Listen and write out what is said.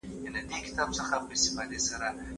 غمی ورک سو د سړي پر سترګو شپه سوه